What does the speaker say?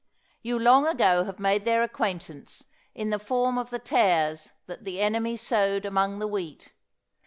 You long ago have made their acquaintance in the form of the tares that the enemy sowed among the wheat.